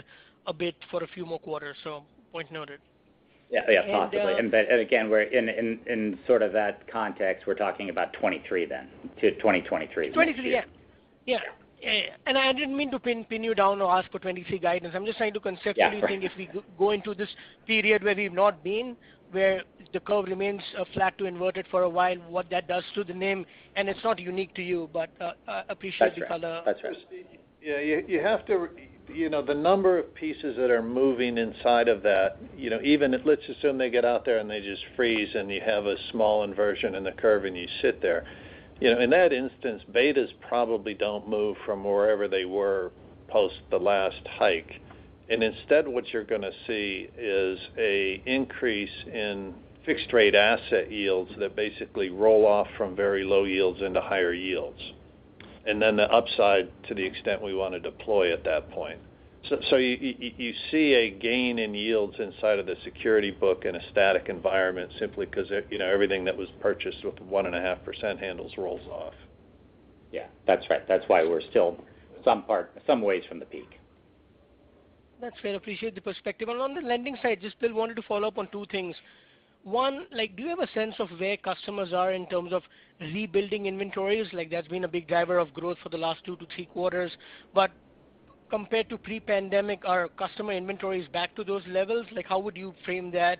a bit for a few more quarters. Point noted. Yeah. Yeah. Possibly. And, uh- Again, we're in sort of that context. We're talking about 2023 then to 2023 next year. 2023. Yeah. Yeah. I didn't mean to pin you down or ask for 2023 guidance. I'm just trying to conceptually think- Yeah. if we go into this period where we've not been, where the curve remains flat to inverted for a while, what that does to the NIM. It's not unique to you, but appreciate the color. That's right. That's right. Yeah. You have to, you know, the number of pieces that are moving inside of that, you know, even if let's assume they get out there, and they just freeze, and you have a small inversion in the curve, and you sit there. You know, in that instance, betas probably don't move from wherever they were post the last hike. Instead, what you're gonna see is an increase in fixed rate asset yields that basically roll off from very low yields into higher yields. Then the upside to the extent we wanna deploy at that point. You see a gain in yields inside of the security book in a static environment simply 'cause, you know, everything that was purchased with 1.5% handles rolls off. Yeah. That's right. That's why we're still some ways from the peak. That's fair. Appreciate the perspective. On the lending side, just still wanted to follow up on two things. One, like, do you have a sense of where customers are in terms of rebuilding inventories? Like, that's been a big driver of growth for the last 2 quarters-3 quarters. Compared to pre-pandemic, are customer inventories back to those levels? Like, how would you frame that?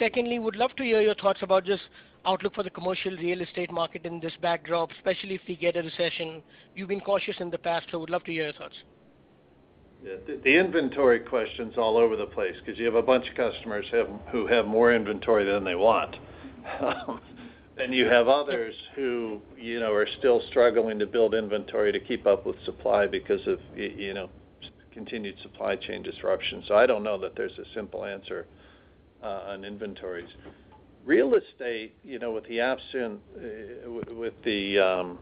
Secondly, would love to hear your thoughts about just outlook for the commercial real estate market in this backdrop, especially if we get a recession. You've been cautious in the past, so would love to hear your thoughts. Yeah. The inventory question's all over the place 'cause you have a bunch of customers who have more inventory than they want. You have others who, you know, are still struggling to build inventory to keep up with supply because of you know, continued supply chain disruption. I don't know that there's a simple answer on inventories. Real estate, you know, with the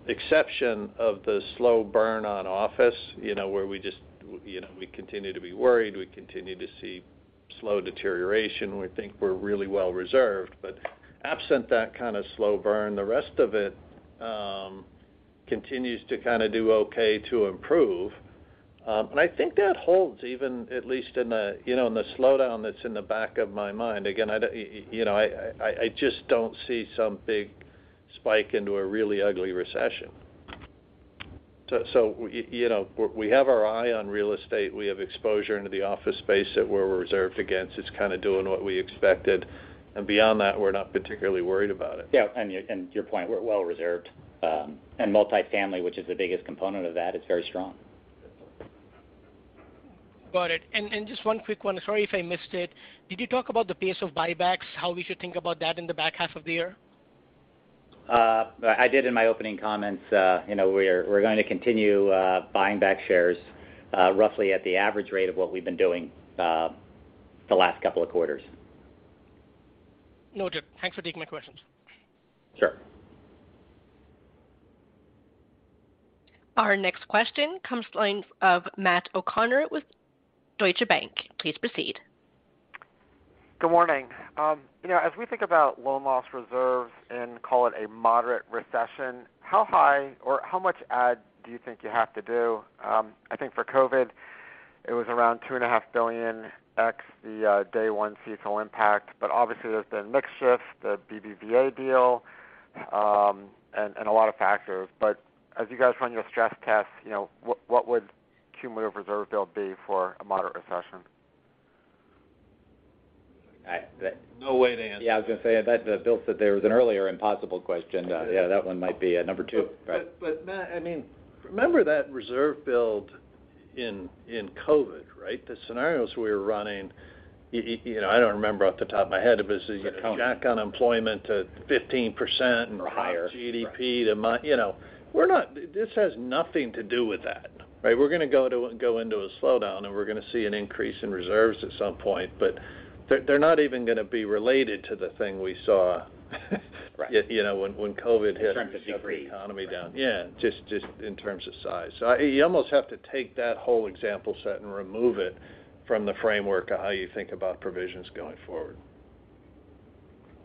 exception of the slow burn on office, you know, where we just, you know, we continue to be worried, we continue to see slow deterioration. We think we're really well reserved. Absent that kind of slow burn, the rest of it continues to kinda do okay to improve. I think that holds even at least in the you know, in the slowdown that's in the back of my mind. Again, I don't, you know, I just don't see some big spike into a really ugly recession. So, you know, we have our eye on real estate. We have exposure into the office space that we're reserved against. It's kinda doing what we expected. Beyond that, we're not particularly worried about it. Yeah. Your point, we're well reserved. Multifamily, which is the biggest component of that, is very strong. Got it. Just one quick one. Sorry if I missed it. Did you talk about the pace of buybacks, how we should think about that in the back half of the year? I did in my opening comments. You know, we're gonna continue buying back shares, roughly at the average rate of what we've been doing, the last couple of quarters. No, just thanks for taking my questions. Sure. Our next question comes from the line of Matt O'Connor with Deutsche Bank. Please proceed. Good morning. You know, as we think about loan loss reserves and call it a moderate recession, how high or how much add do you think you have to do? I think for COVID, it was around $2.5 billion ex the day one CECL impact. Obviously, there's been mix shift, the BBVA deal, and a lot of factors. As you guys run your stress tests, you know, what would cumulative reserve build be for a moderate recession? I-- the- No way to answer. Yeah, I was gonna say, Bill said there was an earlier impossible question. Yeah. Yeah, that one might be a number two. Matt, I mean, remember that reserve build in COVID, right? The scenarios we were running, you know, I don't remember off the top of my head. It was, you know- The count. Jacked unemployment to 15%. higher. You know. This has nothing to do with that, right? We're gonna go into a slowdown, and we're gonna see an increase in reserves at some point, but they're not even gonna be related to the thing we saw. Right You know, when COVID hit. In terms of degree. The economy down. Yeah, just in terms of size. You almost have to take that whole example set and remove it from the framework of how you think about provisions going forward.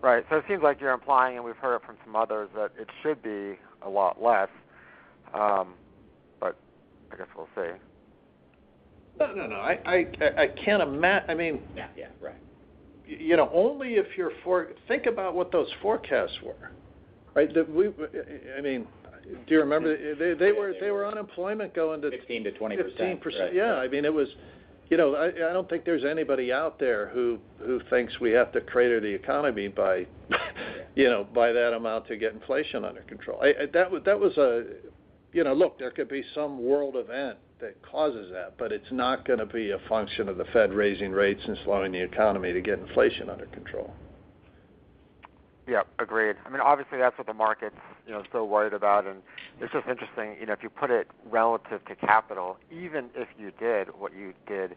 Right. It seems like you're implying, and we've heard it from some others, that it should be a lot less, but I guess we'll see. No. I mean Yeah, yeah, right. you know, think about what those forecasts were, right? I mean, do you remember? They were unemployment going to- 15%-20% 15%. Yeah. I mean, it was. You know, I don't think there's anybody out there who thinks we have to crater the economy by, you know, by that amount to get inflation under control. That was a. You know, look, there could be some world event that causes that, but it's not gonna be a function of the Fed raising rates and slowing the economy to get inflation under control. Yeah. Agreed. I mean, obviously, that's what the market's, you know, so worried about. It's just interesting. You know, if you put it relative to capital, even if you did what you did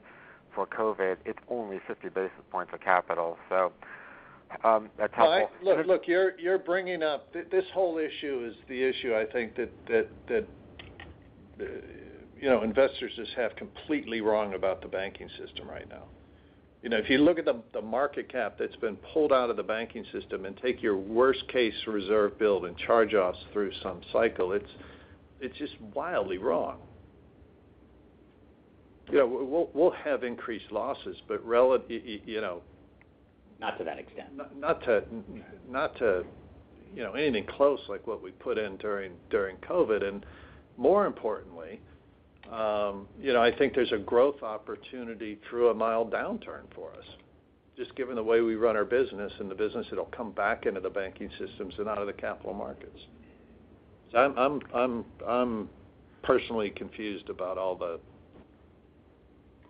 for COVID, it's only 50 basis points of capital. Look, you're bringing up this whole issue is the issue I think that, you know, investors just have completely wrong about the banking system right now. You know, if you look at the market cap that's been pulled out of the banking system and take your worst case reserve build and charge-offs through some cycle, it's just wildly wrong. You know, we'll have increased losses, but relatively, you know. Not to that extent. Not to you know anything close like what we put in during COVID. More importantly, you know, I think there's a growth opportunity through a mild downturn for us, just given the way we run our business and the business that'll come back into the banking systems and out of the capital markets. I'm personally confused about all the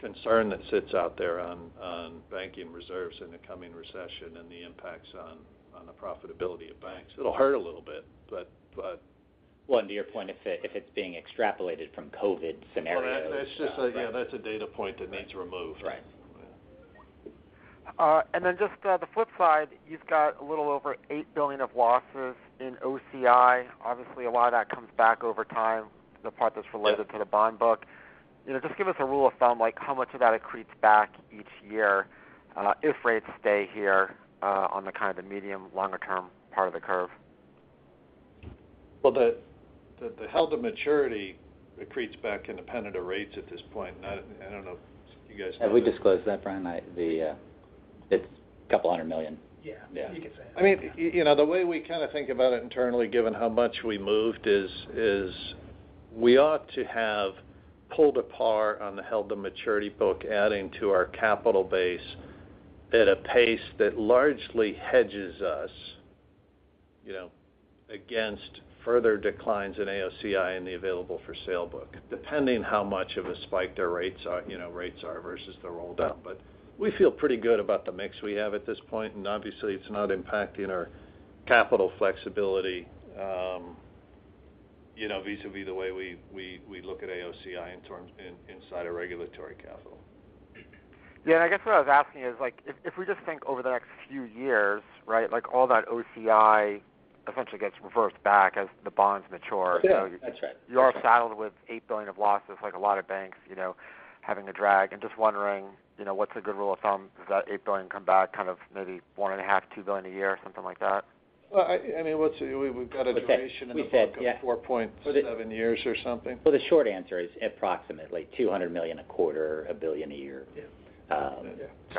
concern that sits out there on banking reserves in the coming recession and the impacts on the profitability of banks. It'll hurt a little bit, but. Well, to your point, if it's being extrapolated from COVID scenarios. Well, yeah, that's a data point that needs removed. Right. Just the flip side, you've got a little over $8 billion of losses in OCI. Obviously, a lot of that comes back over time, the part that's related to the bond book. You know, just give us a rule of thumb, like how much of that accretes back each year, if rates stay here, on the kind of the medium longer term part of the curve. Well, the held to maturity accretes back independent of rates at this point. I don't know if you guys know. Have we disclosed that, Bryan? It's $200 million. Yeah. Yeah. You can say it. I mean, you know, the way we kind of think about it internally given how much we moved is we ought to have pulled a par on the held to maturity book adding to our capital base at a pace that largely hedges us, you know, against further declines in AOCI and the available for sale book, depending how much of a spike their rates are, you know, rates are versus the roll down. We feel pretty good about the mix we have at this point, and obviously, it's not impacting our capital flexibility, you know, vis-a-vis the way we look at AOCI inside our regulatory capital. Yeah. I guess what I was asking is like if we just think over the next few years, right, like all that OCI essentially gets reversed back as the bonds mature. Yeah. That's right. You are saddled with $8 billion of losses like a lot of banks, you know, having a drag. Just wondering, you know, what's a good rule of thumb? Does that $8 billion come back kind of maybe $1.5-$2 billion a year or something like that? We've got a duration- We said. Of 4.7 years or something? Well, the short answer is approximately $200 million a quarter, $1 billion a year. Yeah.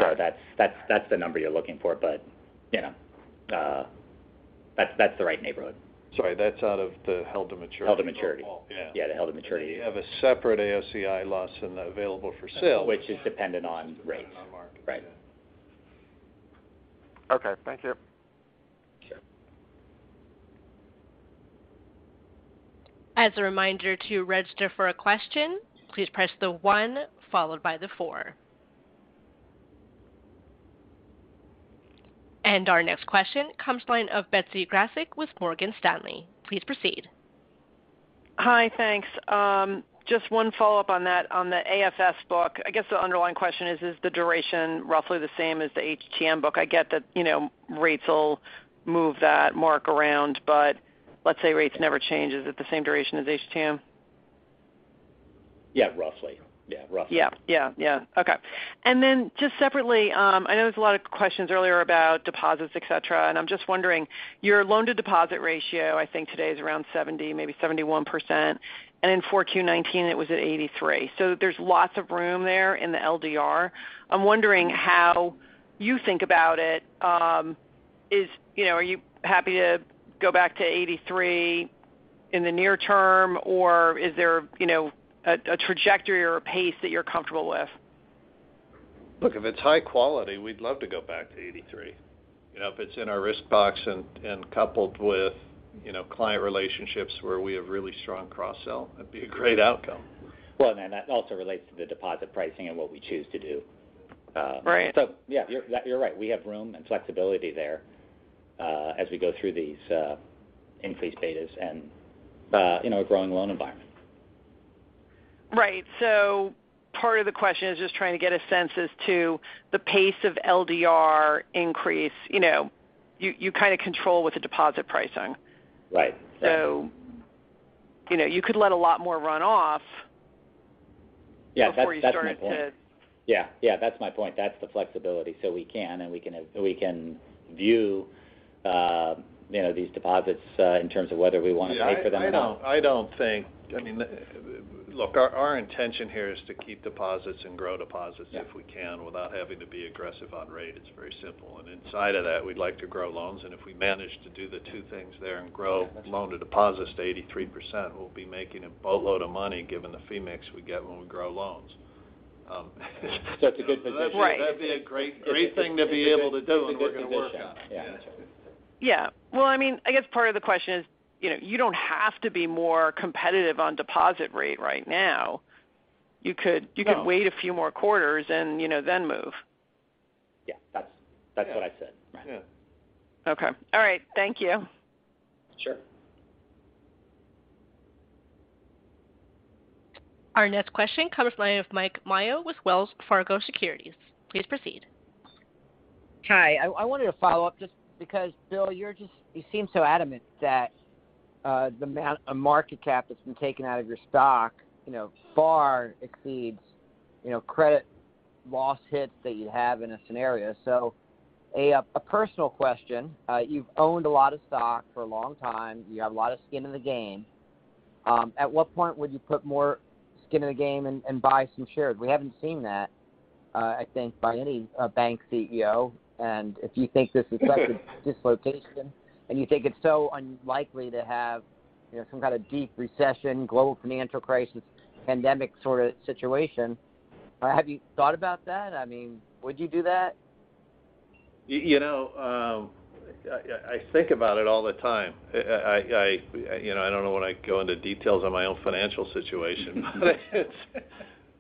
That's the number you're looking for. You know, that's the right neighborhood. Sorry. That's out of the held to maturity. Held to maturity Overall. Yeah. Yeah, the held-to-maturity. You have a separate AOCI loss in the available-for-sale Which is dependent on rates. Dependent on market. Right. Yeah. Okay. Thank you. Sure. As a reminder, to register for a question, please press the one followed by the four. Our next question comes from the line of Betsy Graseck with Morgan Stanley. Please proceed. Hi. Thanks. Just one follow-up on that, on the AFS book. I guess the underlying question is the duration roughly the same as the HTM book? I get that, you know, rates will move that mark around. But let's say rates never change. Is it the same duration as HTM? Yeah, roughly. Yeah, yeah. Okay. Just separately, I know there's a lot of questions earlier about deposits, et cetera, and I'm just wondering, your loan to deposit ratio I think today is around 70%, maybe 71%, and in Q4 2019 it was at 83%. So there's lots of room there in the LDR. I'm wondering how you think about it. You know, are you happy to go back to 83% in the near term, or is there, you know, a trajectory or a pace that you're comfortable with? Look, if it's high quality, we'd love to go back to 83%. You know, if it's in our risk box and coupled with, you know, client relationships where we have really strong cross sell, that'd be a great outcome. Well, that also relates to the deposit pricing and what we choose to do. Right. Yeah, you're right. We have room and flexibility there, as we go through these increased betas and in our growing loan environment. Right. Part of the question is just trying to get a sense as to the pace of LDR increase. You know, you kind of control with the deposit pricing. Right. You know, you could let a lot more run off. Yeah, that's my point. before you started to. Yeah, yeah, that's my point. That's the flexibility. We can view, you know, these deposits in terms of whether we want to pay for them or not. I mean, look, our intention here is to keep deposits and grow deposits. Yeah If we can without having to be aggressive on rates. It's very simple. Inside of that, we'd like to grow loans. If we manage to do the two things there and grow loan to deposits to 83%, we'll be making a boatload of money given the fee mix we get when we grow loans. That's a good position. Right. That'd be a great thing to be able to do, and we're gonna work on it. Good position. Yeah. Yeah. Well, I mean, I guess part of the question is, you know, you don't have to be more competitive on deposit rate right now. You could- No You could wait a few more quarters and, you know, then move. Yeah, that's what I said. Yeah. Okay. All right. Thank you. Sure. Our next question comes from the line of Mike Mayo with Wells Fargo Securities. Please proceed. Hi. I wanted to follow up just because, Bill, you seem so adamant that the amount of market cap that's been taken out of your stock, you know, far exceeds, you know, credit loss hits that you'd have in a scenario. A personal question. You've owned a lot of stock for a long time. You got a lot of skin in the game. At what point would you put more skin in the game and buy some shares? We haven't seen that, I think, by any bank CEO. If you think this is like a dislocation, and you think it's so unlikely to have, you know, some kind of deep recession, global financial crisis, pandemic sort of situation, have you thought about that? I mean, would you do that? You know, I don't wanna go into details on my own financial situation.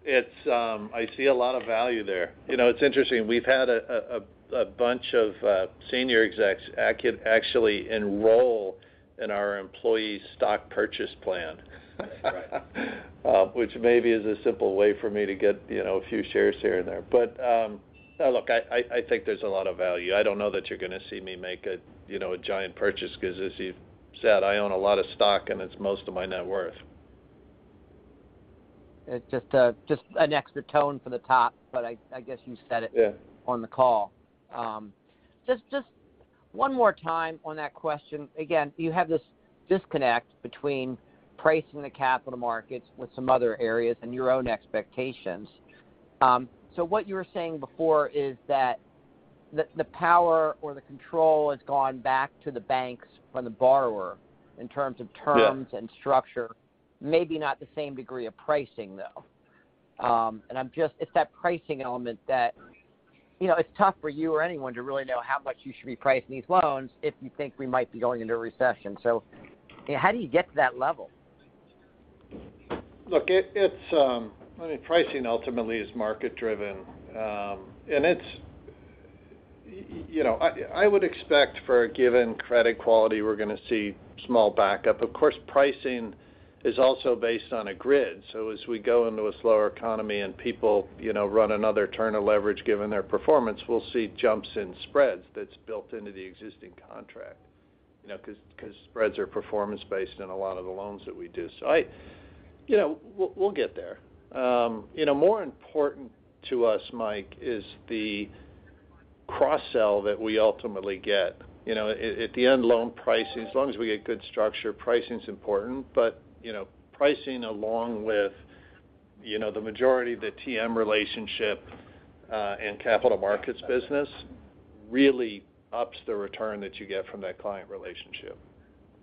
It's. I see a lot of value there. You know, it's interesting. We've had a bunch of senior execs actually enroll in our employee stock purchase plan. Right. Which maybe is a simple way for me to get, you know, a few shares here and there. Look, I think there's a lot of value. I don't know that you're gonna see me make a, you know, a giant purchase because as you've said, I own a lot of stock, and it's most of my net worth. It's just an extra tone for the top, but I guess you said it. Yeah On the call. Just one more time on that question. Again, you have this disconnect between pricing in the capital markets and some other areas and your own expectations. What you were saying before is that the power or the control has gone back to the banks from the borrower in terms of terms. Yeah... structure. Maybe not the same degree of pricing, though. It's that pricing element that, you know, it's tough for you or anyone to really know how much you should be pricing these loans if you think we might be going into a recession. You know, how do you get to that level? Look, it's, I mean, pricing ultimately is market driven. It's, you know, I would expect for a given credit quality, we're gonna see small backup. Of course, pricing is also based on a grid, so as we go into a slower economy and people, you know, run another turn of leverage given their performance, we'll see jumps in spreads that's built into the existing contract, you know, 'cause spreads are performance based in a lot of the loans that we do. I, you know, we'll get there. You know, more important to us, Mike, is the cross sell that we ultimately get. You know, at the end, loan pricing, as long as we get good structure, pricing's important. You know, pricing along with, you know, the majority of the TM relationship and capital markets business really ups the return that you get from that client relationship.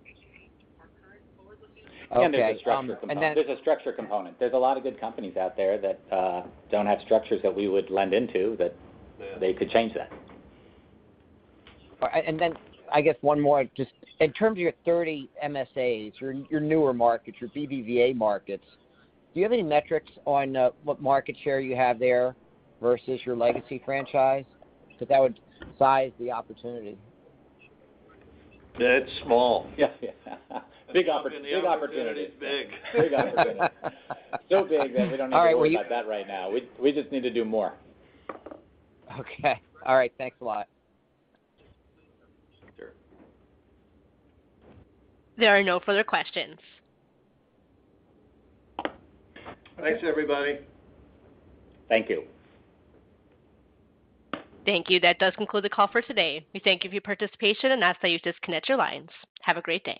Okay. More current forward-looking. There's a structure component. Okay. There's a structure component. There's a lot of good companies out there that don't have structures that we would lend into that- Yeah They could change that. I guess one more just in terms of your 30 MSAs, your newer markets, your BBVA markets, do you have any metrics on what market share you have there versus your legacy franchise? Because that would size the opportunity. It's small. Yeah. Big opportunity. The opportunity is big. Big opportunity. Big that we don't have to worry about that right now. We just need to do more. Okay. All right. Thanks a lot. Sure. There are no further questions. Thanks, everybody. Thank you. Thank you. That does conclude the call for today. We thank you for your participation and ask that you disconnect your lines. Have a great day.